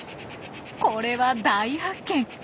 これは大発見！